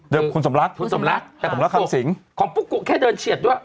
คุณสมรักคุณสมรักแต่ผมรักคุณสิงของปุ๊กกุแค่เดินเฉียดด้วย